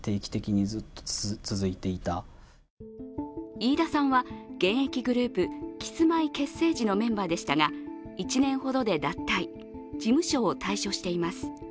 飯田さんは現役グループ、キスマイ結成時のメンバーでしたが１年ほどで脱退、事務所を退所しています。